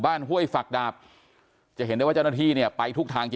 ห้วยฝักดาบจะเห็นได้ว่าเจ้าหน้าที่เนี่ยไปทุกทางจะ